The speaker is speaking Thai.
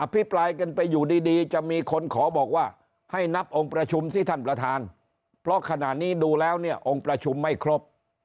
พิปรายกันไปอยู่ดีจะมีคนขอบอกว่าให้นับองค์ประชุมสิท่านประธานเพราะขณะนี้ดูแล้วเนี่ยองค์ประชุมไม่ครบ